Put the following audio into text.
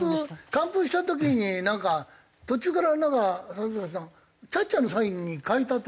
完封した時になんか途中から里崎さんキャッチャーのサインに変えたとかなんか。